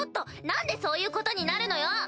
何でそういうことになるのよ！